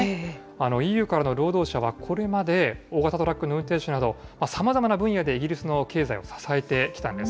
ＥＵからの労働者は、これまで大型トラックの運転手など、さまざまな分野でイギリスの経済を支えてきたんです。